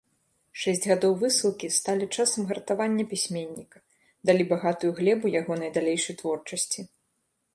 Шэсць гадоў высылкі сталі часам гартавання пісьменніка, далі багатую глебу ягонай далейшай творчасці.